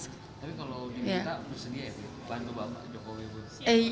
tapi kalau diminta bersedia ya bapak jokowi